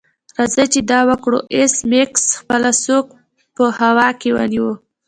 راځئ چې دا وکړو ایس میکس خپله سوک په هوا کې ونیو